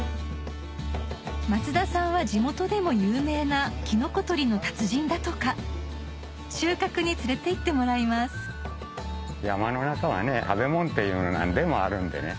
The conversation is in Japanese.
松田さんは地元でも有名なキノコ採りの達人だとか収穫に連れていってもらいます山の中は食べ物っていうのは何でもあるんでね。